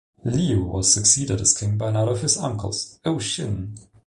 Leo was succeeded as king by another of his uncles, Oshin.